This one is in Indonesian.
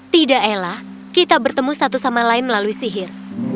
tidak ela kita bertemu satu sama lain melalui sihir